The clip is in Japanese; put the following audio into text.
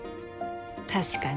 確かに。